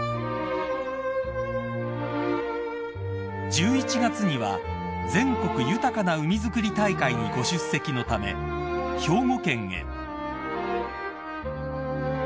［１１月には全国豊かな海づくり大会にご出席のため兵庫県へ］